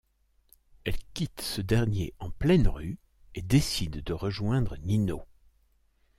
Elle quitte ce dernier en pleine rue et décide de rejoindre Nino.